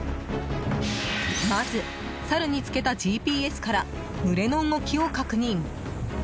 まず、サルにつけたＧＰＳから群れの動きを確認。